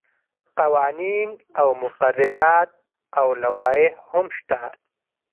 قوانین او مقررات او لوایح هم شته.